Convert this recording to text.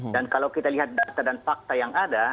dan kalau kita lihat data dan fakta yang ada